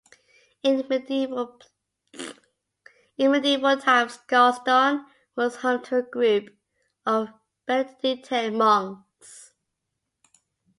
In medieval times, Garston was home to a group of Benedictine monks.